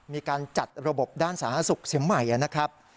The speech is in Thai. มีการจัดระบบด้านสาธารณสุขเสียงใหม่นะครับ